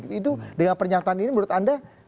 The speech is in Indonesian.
itu dengan pernyataan ini menurut anda